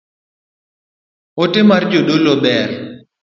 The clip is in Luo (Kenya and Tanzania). Ote mar jodolo ber